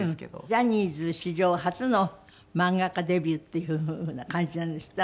ジャニーズ史上初の漫画家デビューっていう風な感じなんですって？